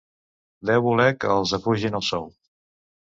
Deu voler que els apugin el sou.